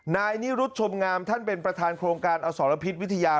นายนิรุธชมงามท่านเป็นประธานโครงการอสรพิษวิทยา